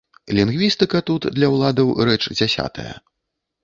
Лінгвістыка тут для ўладаў рэч дзясятая.